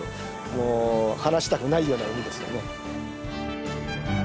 もう離したくないような海ですかね。